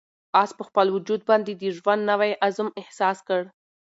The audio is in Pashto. آس په خپل وجود باندې د ژوند نوی عزم احساس کړ.